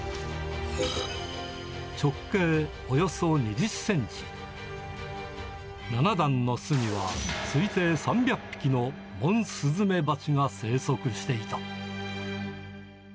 直径およそ２０センチ、７段の巣には推定３００匹のモンスズメバチが生息していた。